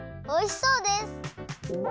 おいしそうです！